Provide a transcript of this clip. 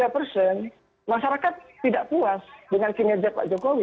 tiga persen masyarakat tidak puas dengan kinerja pak jokowi